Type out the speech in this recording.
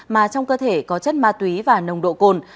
mà trong cơ thể có chất ma túy và nồng độ cồn